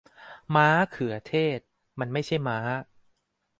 ม้าเขือเทศ มันไม่ใช่ม้า